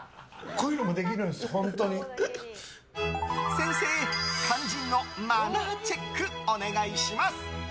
先生、肝心のマナーチェックお願いします！